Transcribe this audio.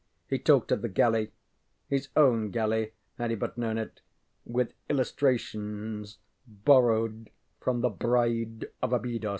He talked of the galley his own galley had he but known it with illustrations borrowed from the ŌĆ£Bride of Abydos.